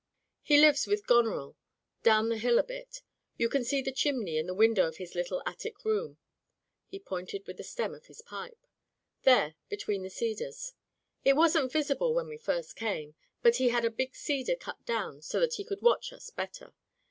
He lives with Goneril, down the hill a bit. You can see the chimney and the window of his little attic room." He pointed with the stem of his pipe. "There, between the cedars. It wasn't [ 316 ] Digitized by LjOOQIC Turned Out to Grass visible when we first came, but he had a big cedar cut down so that he could watch us better.